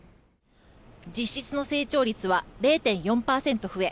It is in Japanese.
実質の成長率は０．４％増え